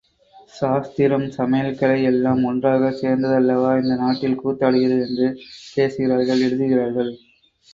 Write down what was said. சாஸ்திரம், சமயக்கலை எல்லாம் ஒன்றாகச் சேர்ந்தல்லவா இந்த நாட்டில் கூத்தாடுகிறது என்று பேசுகிறார்கள் எழுதுகிறார்கள்.